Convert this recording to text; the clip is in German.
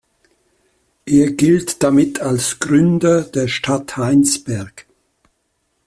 Er gilt damit als Gründer der Stadt Heinsberg.